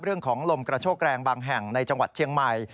เรื่องของลมกระโชกแรงบางแห่งในจังหวัดเชียงใหม่